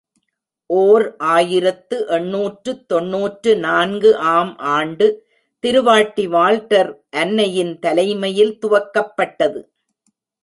ஓர் ஆயிரத்து எண்ணூற்று தொன்னூற்று நான்கு ஆம் ஆண்டு திருவாட்டி வால்டர் அன்னை யின் தலைமையில் துவக்கப்பட்டது.